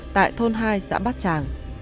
tại thôn hai xã bát tràng